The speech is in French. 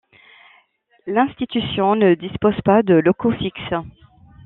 L'institution ne dispose pas de locaux fixes.